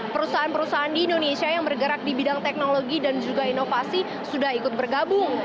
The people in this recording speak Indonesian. perusahaan perusahaan di indonesia yang bergerak di bidang teknologi dan juga inovasi sudah ikut bergabung